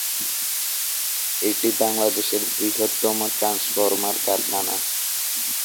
এটি বাংলাদেশের বৃহত্তম ট্রান্সফর্মার কারখানা।